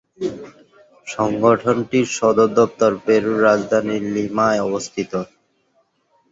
সংগঠনটির সদর দপ্তর পেরুর রাজধানী লিমায় অবস্থিত।